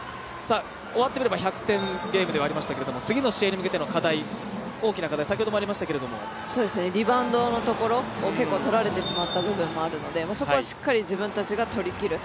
終わってみれば１００点ゲームではありましたが次の試合に向けての大きな課題リバウンドのところ結構取られてしまったところもあるので、そこはしっかり自分たちがとりきる。